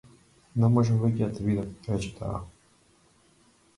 Не можам веќе да те видам, рече таа.